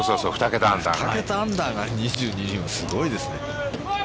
２桁アンダーが２２人はすごいですね。